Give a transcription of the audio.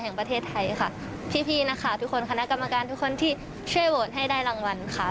แห่งประเทศไทยค่ะพี่พี่นักข่าวทุกคนคณะกรรมการทุกคนที่ช่วยโหวตให้ได้รางวัลค่ะ